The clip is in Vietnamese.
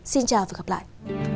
xin chào và hẹn gặp lại